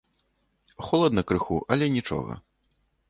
Холадна крыху, але нічога.